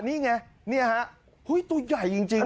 นี่ไงนี่ฮะตัวใหญ่จริง